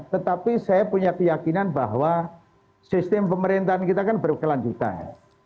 tetapi saya punya keyakinan bahwa sistem pemerintahan kita kan berkelanjutan